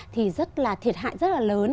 thì rất là thiệt hại rất là lớn